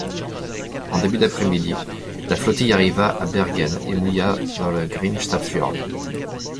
En début d'après-midi, la flottille arriva à Bergen et mouilla dans le Grimstadfjord.